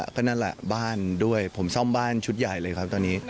ก็นั่นแหละบ้านด้วยผมซ่อมบ้านชุดใหญ่เลยครับตอนนี้